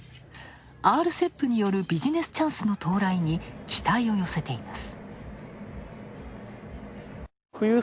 ＲＣＥＰによるビジネスチャンスの到来に期待を寄せています。